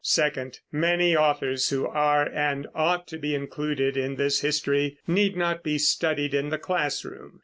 Second, many authors who are and ought to be included in this history need not be studied in the class room.